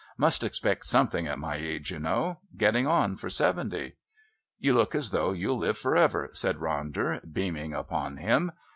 Must expect something at my age, you know getting on for seventy." "You look as though you'll live for ever," said Ronder, beaming upon him.